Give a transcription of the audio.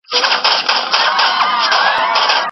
تاسو د غريبانو لاسنيوی وکړئ.